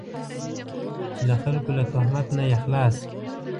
چې له خلکو له تهمته نه یې خلاص.